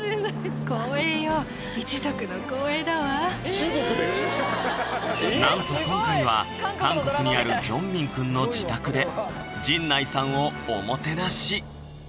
一族で⁉なんと今回は韓国にあるジョンミン君の自宅で陣内さんをおもてなし！